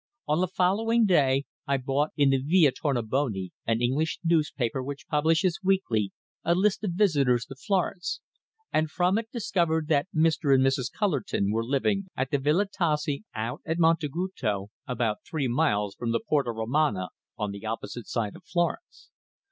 On the following day I bought in the Via Tornabuoni an English newspaper which publishes weekly a list of visitors to Florence, and from it discovered that Mr. and Mrs. Cullerton were living at the Villa Tassi, out at Montaguto, about three miles from the Porta Romana, on the opposite side of Florence.